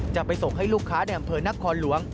จะไปส่งให้ลูกค้าในอำเภอนครหลวง